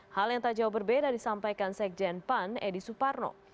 hal yang tak jauh berbeda disampaikan sekjen pan edi suparno